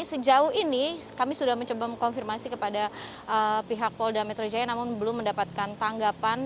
sejauh ini kami sudah mencoba mengkonfirmasi kepada pihak polda metro jaya namun belum mendapatkan tanggapan